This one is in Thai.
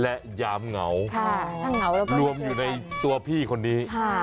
และยามเหงาค่ะถ้าเหงารวมอยู่ในตัวพี่คนนี้ค่ะ